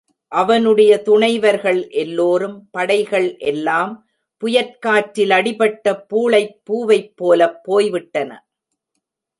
அவனுடைய துணைவர்கள் எல்லோரும், படைகள் எல்லாம், புயற் காற்றில் அடிபட்ட பூளைப் பூவைப் போலப் போய் விட்டன.